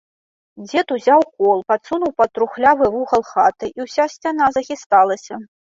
Дзед узяў кол, падсунуў пад трухлявы вугал хаты, і ўся сцяна захісталася.